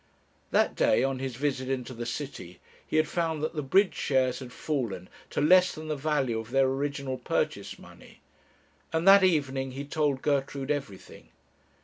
That day, on his visit into the city, he had found that the bridge shares had fallen to less than the value of their original purchase money; and that evening he told Gertrude everything.